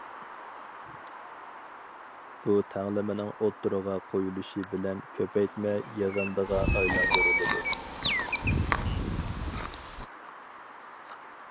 بۇ تەڭلىمىنىڭ ئوتتۇرىغا قويۇلۇشى بىلەن كۆپەيتمە يىغىندىغا ئايلاندۇرۇلىدۇ.